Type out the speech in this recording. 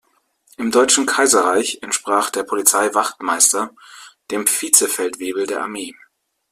Im Deutschen Kaiserreich entsprach der Polizei-Wachtmeister dem Vizefeldwebel der Armee.